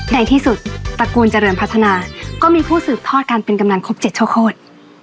ในที่สุดตระกูลเจริญพัฒนาก็มีผู้สืบทอดการเป็นกำนันครบ๗ชั่วโคตร